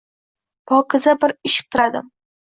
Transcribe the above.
Pokiza bir Ishq tiladim